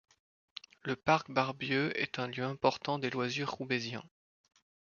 Le parc Barbieux est un lieu important des loisirs roubaisiens.